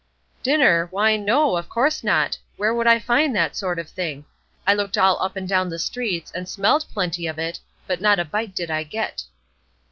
"Dinner? Why, no! of course not! Where would I find that sort of thing? I looked all up and down the streets, and smelled plenty of it, but not a bite did I get."